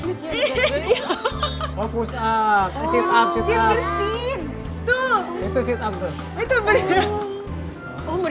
ini mu jessie